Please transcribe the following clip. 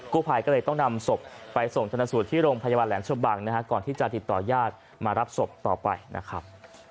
ผู้ภัยก็เลยต้องนำศพไปส่งชนสูตรที่โรงพยาบาลแหลมชะบังนะฮะก่อนที่จะติดต่อญาติมารับศพต่อไปนะครับ